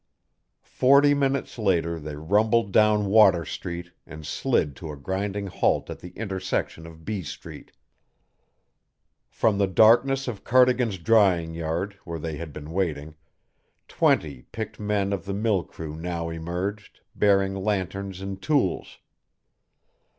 Forty minutes later they rumbled down Water Street and slid to a grinding halt at the intersection of B Street. From the darkness of Cardigan's drying yard, where they had been waiting, twenty picked men of the mill crew now emerged, bearing lanterns and tools.